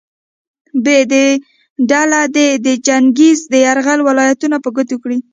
ب ډله دې د چنګیز د یرغل ولایتونه په ګوته کړي.